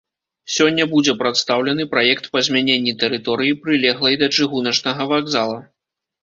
Сёння будзе прадстаўлены праект па змяненні тэрыторыі, прылеглай да чыгуначнага вакзала.